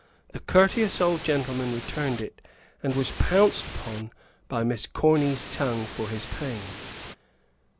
The courteous old gentleman returned it, and was pounced upon by Miss Corny's tongue for his pains.